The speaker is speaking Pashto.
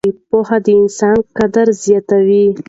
پوهه د انسان قدر زیاتوي.